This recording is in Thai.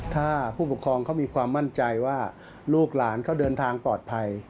ถ้าผู้ปกครองเขามีความมั่นใจว่าลูกหลานเขาเดินทางปลอดภัย